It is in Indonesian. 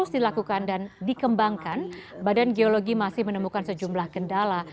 dan dikembangkan badan geologi masih menemukan sejumlah kendala